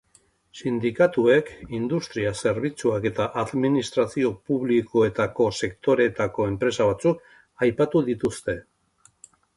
Sindikatuek industria, zerbitzuak eta administrazio publikoetako sektoreetako empresa batzuk aipatu dituzte.